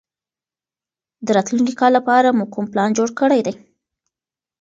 د راتلونکي کال لپاره مو کوم پلان جوړ کړی دی؟